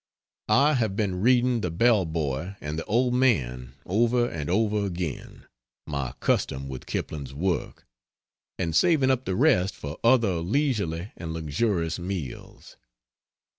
I have been reading "The Bell Buoy" and "The Old Men" over and over again my custom with Kipling's work and saving up the rest for other leisurely and luxurious meals.